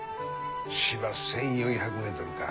芝１，４００ｍか。